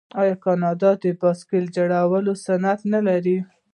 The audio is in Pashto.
آیا کاناډا د بایسکل جوړولو صنعت نلري؟